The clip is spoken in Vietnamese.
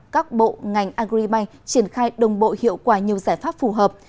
các bộ ngành agribank triển khai đồng bộ hiệu quả nhiều giải pháp phù hợp